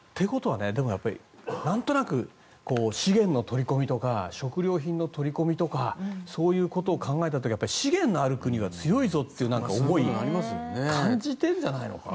だから、なんとなく資源の取り込みとか食料品の取り込みとかそういうことを考えた時に資源のある国は強いぞという思いを感じているんじゃないか。